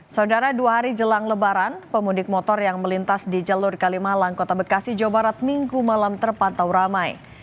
saudara dua hari jelang lebaran pemudik motor yang melintas di jalur kalimalang kota bekasi jawa barat minggu malam terpantau ramai